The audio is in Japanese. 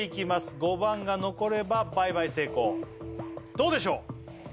５番が残れば倍買成功どうでしょう？